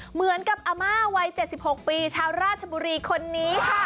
เหมือนกับอาม่าวัย๗๖ปีชาวราชบุรีคนนี้ค่ะ